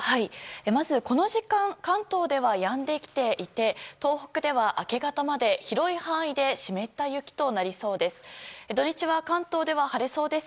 まずこの時間関東ではやんできていて東北では明け方まで広い範囲で湿った雪となりそうです。